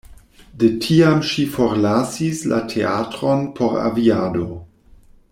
De tiam ŝi forlasis la teatron por aviado.